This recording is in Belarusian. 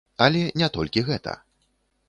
Але не толькі гэта.